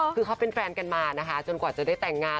คือเขาเป็นแฟนกันมานะคะจนกว่าจะได้แต่งงาน